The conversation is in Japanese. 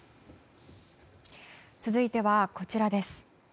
続いてはこちらです。